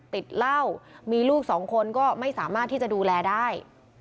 ติดเหล้ามีลูกสองคนก็ไม่สามารถที่จะดูแลได้